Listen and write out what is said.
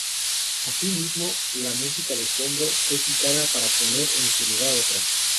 Asimismo, la música de fondo fue quitada para poner en su lugar otra.